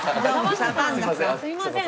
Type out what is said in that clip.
すいません